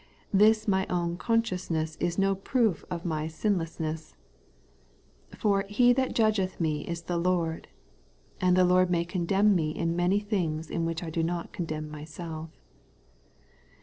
this my own consciousness is no proof of my sinlessness : for ' He that judgeth me is the Lord;' and the Lord may condemn me in many things in which I do not condemn myself.